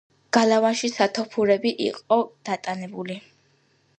გალავანში სათოფურები იყო დატანებული.